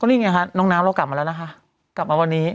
นี่ไงคะน้องน้ำเรากลับมาแล้วนะคะกลับมาวันนี้